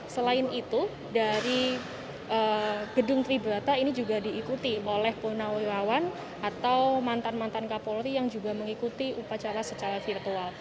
selain itu dari gedung triburata ini juga diikuti oleh puna wirawan atau mantan mantan kapolri yang juga mengikuti upacara secara virtual